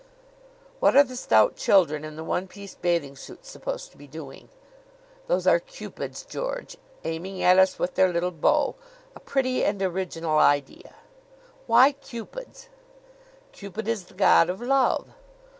"What are the stout children in the one piece bathing suits supposed to be doing?" "Those are Cupids, George, aiming at us with their little bow a pretty and original idea." "Why Cupids?" "Cupid is the god of love."